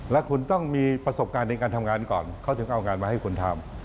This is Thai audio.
และคุณต้องมีประสบการณ์ในการทำงานก่อนเขาถึงเอางานมาให้คุณทำ